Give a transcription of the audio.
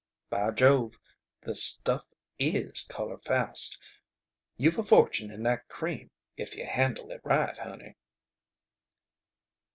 "By Jove! The stuff is color fast! You've a fortune in that cream if you handle it right, honey."